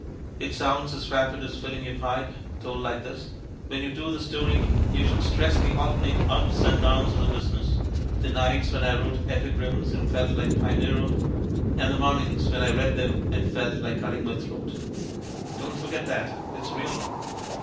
It sounds as rapid as filling your pipe, told like this ; when you do the story you should stress the alternate ups and downs of the busi ness : the nights when I wrote epigrams and felt like Pinero, and the mornings when I read 'em and felt like cutting my throat. Don't forget that. It's real."